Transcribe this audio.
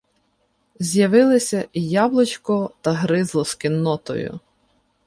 З'явилися і Яблочко та Гризло з кіннотою.